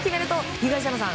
東山さん